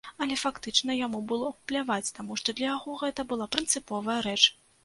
Але фактычна яму было пляваць, таму што для яго гэта была прынцыповая рэч.